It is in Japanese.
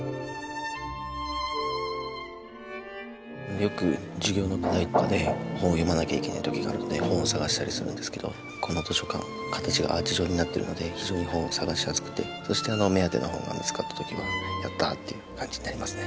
よく授業の課題とかで本を読まなきゃいけない時があるので本を探したりするんですけどこの図書館形がアーチ状になってるので非常に本を探しやすくてそして目当ての本が見つかった時はやったっていう感じになりますね。